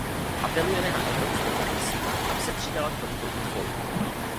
Apelujeme na Evropskou komisi, aby se přidala k tomuto úkolu.